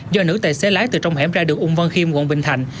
do nữ tài xế lái từ trong hẻm ra đường ung văn khiêm quận bình thạnh